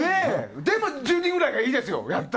でも１０人ぐらいがいいですよ。